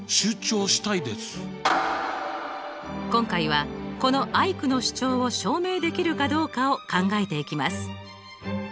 今回はこのアイクの主張を証明できるかどうかを考えていきます。